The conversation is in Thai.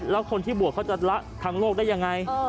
แล้วคนที่บวชเขาจะละทางโลกได้ยังไง